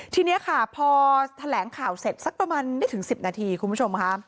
ทีนี้ค่ะพอแถลงข่าวเสร็จสักประมาณได้ถึง๑๐นาทีคุณผู้ชมค่ะ